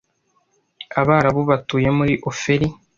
Abarabu batuye muri Ofeli